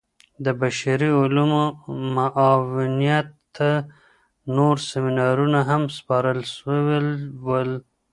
د بشري علومو معاونيت ته نور سيمينارونه هم سپارل سوي ول.